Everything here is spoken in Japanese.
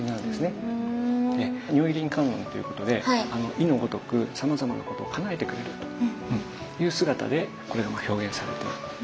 如意輪観音ということで意のごとくさまざまなことをかなえてくれるという姿でこのような表現されているわけですね。